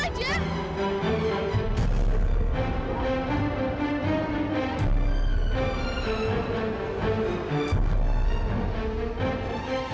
garis tapi tuh